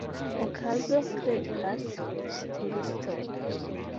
Okazo kreas ŝteliston.